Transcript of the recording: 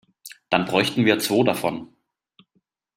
Dann bräuchten wir zwo davon.